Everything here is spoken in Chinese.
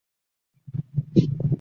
不久之后又被起用。